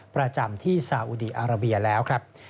ประจำที่สาวดีอาราเบียแล้ว